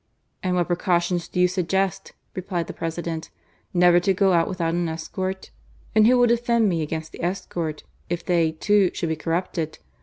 " "And what precautions do you suggest?" replied the President. " Never to go out without an escort." "And who will defend me against the escort, if they, too, should be corrupted